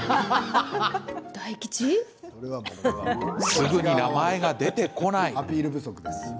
すぐに名前が出てこない。